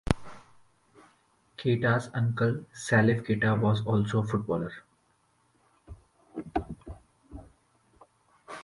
Keita's uncle, Salif Keita, was also a footballer.